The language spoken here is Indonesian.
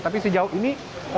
tapi sejauh ini